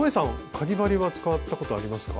かぎ針は使ったことありますか？